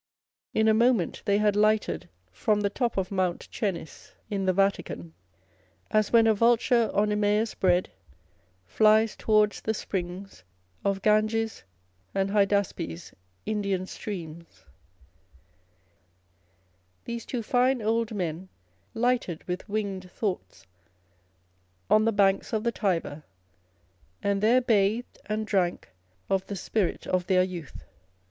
In a moment they had lighted from the top of Mount Cenis in the Vatican â€" As when a vulture on Iraaus bred Flies tow'rds the springs Of Ganges and Hydaspes, Indian streams, these two fine old men lighted with winged thoughts on the banks of the Tiber, and there bathed and drank of the spirit of their youth.